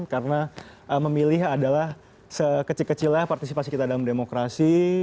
karena memilih adalah sekecil kecilnya partisipasi kita dalam demokrasi